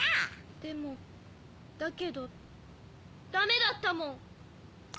でもだけどダメだったもん。